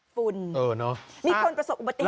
ฝุ่นมีคนประสบอุบัติเหตุ